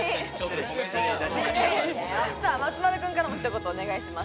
松丸君からも一言お願いします。